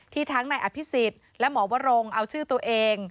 ทั้งนายอภิษฎและหมอวรงเอาชื่อตัวเอง